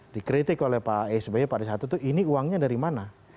dikritik oleh pak sby pada saat itu ini uangnya dari mana